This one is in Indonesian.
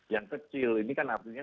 yang kecil ini kan artinya